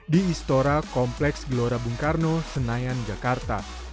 di istora kompleks gelora bung karno senayan jakarta